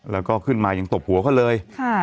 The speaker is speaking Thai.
แล้วก็ขึ้นมายังตบหัวเขาเลย